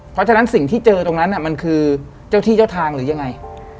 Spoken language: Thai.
เพราะฉะนั้นสิ่งที่เจอตรงนั้นมันคือเจ้าที่เจ้าทางหรือยังไง